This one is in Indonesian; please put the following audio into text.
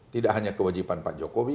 tidak hanya kewajiban pak jokowi